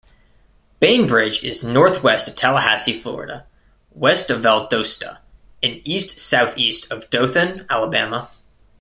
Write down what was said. Bainbridge is northwest of Tallahassee, Florida; west of Valdosta; and east-southeast of Dothan, Alabama.